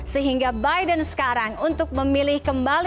sehingga biden sekarang untuk memilih kembali